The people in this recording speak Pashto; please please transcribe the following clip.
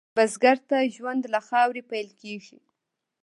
بزګر ته ژوند له خاورې پېل کېږي